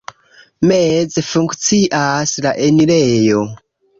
Meze funkcias la enirejo.